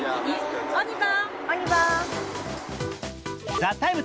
「ＴＨＥＴＩＭＥ，」